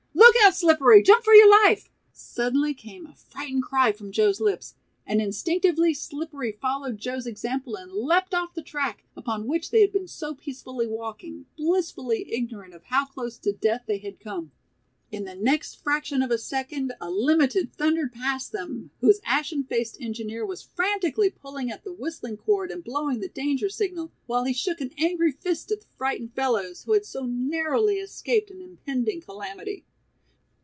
"Look out, Slippery, jump for your life!" suddenly came a frightened cry from Joe's lips, and instinctively Slippery followed Joe's example and leaped off the track, upon which they had been so peacefully walking, blissfully ignorant of how close to death they had come. In the next fraction of a second a "Limited" thundered past them, whose ashen faced engineer was frantically pulling at the whistling cord and blowing the danger signal, while he shook an angry fist at the frightened fellows, who had so narrowly escaped an impending calamity.